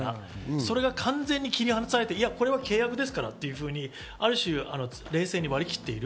それが完全に切り離されて、これは契約ですからというふうにある種、冷静に割り切っている。